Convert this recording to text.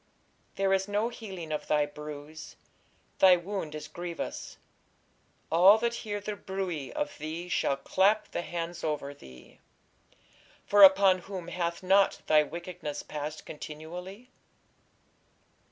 There is no healing of thy bruise; thy wound is grievous: all that hear the bruit of thee shall clap the hands over thee: for upon whom hath not thy wickedness passed continually?